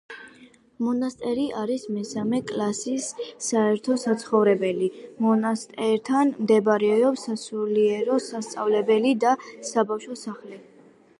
მონასტერი არის მესამე კლასის საერთო საცხოვრებელი, მონასტერთან მდებარეობს სასულიერო სასწავლებელი და საბავშვო სახლი.